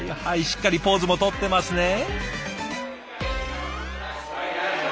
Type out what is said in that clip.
しっかりポーズもとってますね。